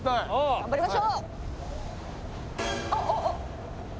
頑張りましょう。